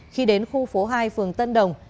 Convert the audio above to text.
khi đến khu phố hai phường tân đồng